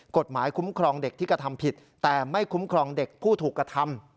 กฎหมายคุ้มครองเด็กที่กระทำผิดแต่ไม่คุ้มครองเด็กผู้ถูกกระทำ